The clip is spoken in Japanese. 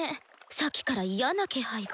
さっきから嫌な気配が。